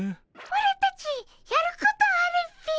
オラたちやることあるっピィ。